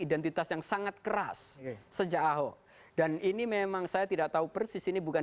identitas yang sangat keras sejak ahok dan ini memang saya tidak tahu persis ini bukan